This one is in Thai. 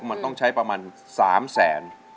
มันต้องใช้ประมาณ๓แสน